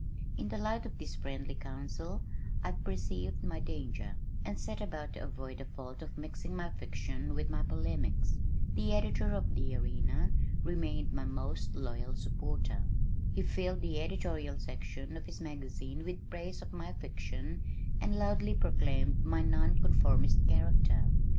In the light of this friendly council I perceived my danger, and set about to avoid the fault of mixing my fiction with my polemics. The editor of the Arena remained my most loyal supporter. He filled the editorial section of his magazine with praise of my fiction and loudly proclaimed my non conformist character.